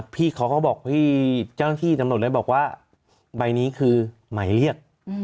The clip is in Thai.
พี่เขาก็บอกพี่เจ้าหน้าที่ตำรวจเลยบอกว่าใบนี้คือหมายเรียก